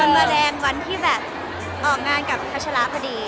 มันมาแสดงวันที่แบบออกงานกับพัชระพอดี